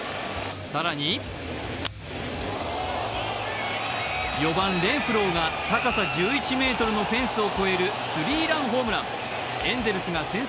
更に４番・レンフローが高さ１１ｍのフェンスを越えるスリーランホームラン。